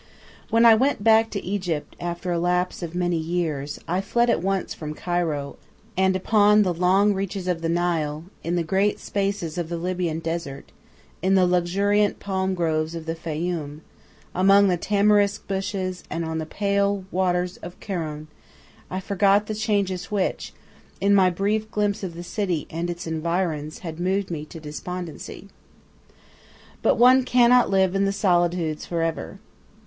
When I went back to Egypt, after a lapse of many years, I fled at once from Cairo, and upon the long reaches of the Nile, in the great spaces of the Libyan Desert, in the luxuriant palm grooves of the Fayyum, among the tamarisk bushes and on the pale waters of Kurun, I forgot the changes which, in my brief glimpse of the city and its environs, had moved me to despondency. But one cannot live in the solitudes for ever.